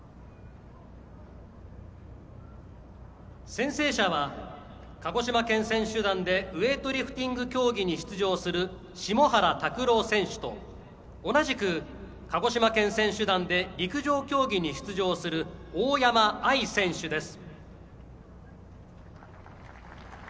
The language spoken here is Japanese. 宣誓者は鹿児島県選手団でウエイトリフティング競技に出場する下原卓朗選手と同じく鹿児島県選手団で陸上競技に出場する大山藍選手です。